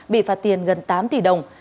bị phạt tiền gần tám tỷ đồng